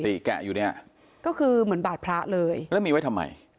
แกะอยู่เนี่ยก็คือเหมือนบาดพระเลยแล้วมีไว้ทำไม